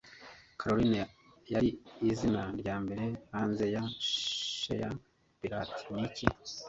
Caroline Yari Izina Ryambere Hanze ya Shore Pirate Niki